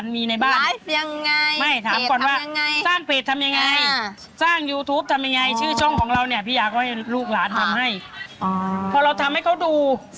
พอเราทำให้เขาดู